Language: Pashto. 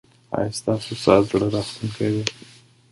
ایا ستاسو ساز زړه راښکونکی دی؟